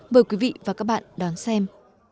vời quý vị và các bạn đón xem